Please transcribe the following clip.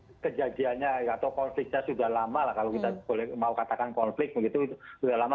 itu kejadiannya atau konfliknya sudah lama lah kalau kita boleh mau katakan konflik begitu sudah lama